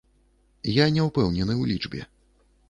Я не ўпэўнены ў лічбе.